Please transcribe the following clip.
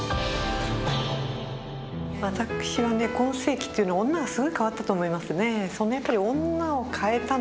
私はね今世紀というのは女がすごい変わったと思いますね。